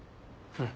うん。